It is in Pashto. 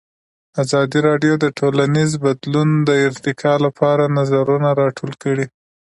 ازادي راډیو د ټولنیز بدلون د ارتقا لپاره نظرونه راټول کړي.